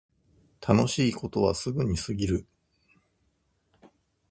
楽しいことはすぐに過ぎる